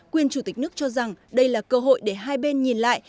quyên chủ tịch nước cho rằng đây là cơ hội để hai bên nhìn lại